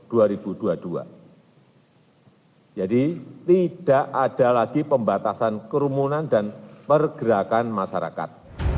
hai jadi tidak ada lagi pembatasan kerumunan dan pergerakan masyarakat